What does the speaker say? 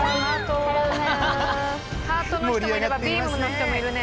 ハートの人もいればビームの人もいるね。